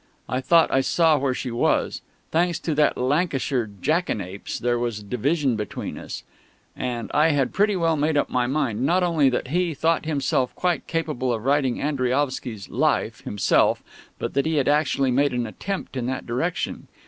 I thought I saw where she was. Thanks to that Lancashire jackanapes, there was division between us; and I had pretty well made up my mind, not only that he thought himself quite capable of writing Andriaovsky's "Life," himself, but that he had actually made an attempt in that direction.